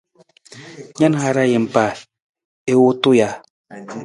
Na na hara niimpa i wutu ja?